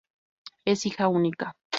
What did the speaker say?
Es hija única.